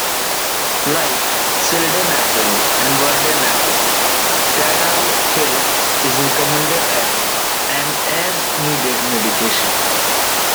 Like sildenafil and vardenafil, tadalafil is recommended as an 'as needed' medication.